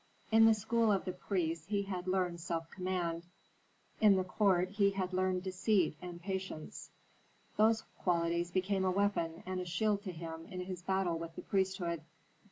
In the school of the priests he had learned self command, in the court he had learned deceit and patience; those qualities became a weapon and a shield to him in his battle with the priesthood.